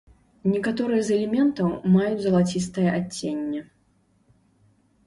Некаторыя з элементаў маюць залацістае адценне.